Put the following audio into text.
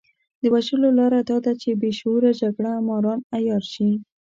د وژلو لاره دا ده چې بې شعوره جګړه ماران عيار شي.